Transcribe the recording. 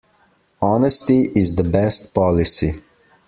Honesty is the best policy.